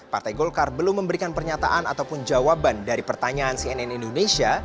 partai golkar belum memberikan pernyataan ataupun jawaban dari pertanyaan cnn indonesia